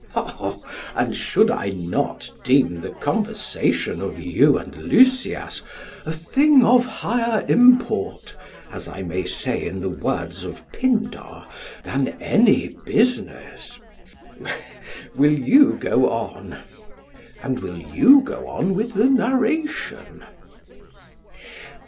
SOCRATES: And should I not deem the conversation of you and Lysias 'a thing of higher import,' as I may say in the words of Pindar, 'than any business'? PHAEDRUS: Will you go on? SOCRATES: And will you go on with the narration?